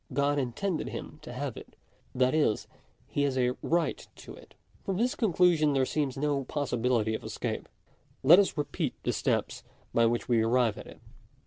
God intended him to have it; that is, he has a right to it. From this conclusion there seems no possibility of escape. Let us repeat the steps by which we arrive at it.